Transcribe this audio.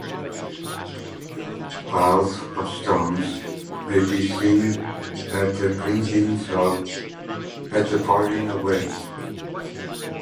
Piles of stones may be seen at the partings of ways.